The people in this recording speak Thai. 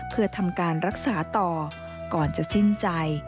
เพื่อทำการรักษาต่อก่อนจะสิ้นใจ